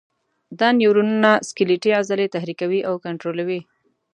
دا نیورونونه سکلیټي عضلې تحریکوي او کنټرولوي.